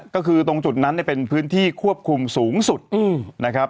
ก็คือตรงจุดนั้นเนี่ยเป็นพื้นที่ควบคุมสูงสุดนะครับ